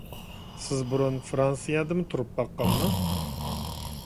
سىز بۇرۇن فىرانسىيەدىمۇ تۇرۇپ باققانما؟